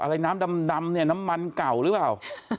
อะไรน้ำนี้น้ำมันเก่าหรือเปล่า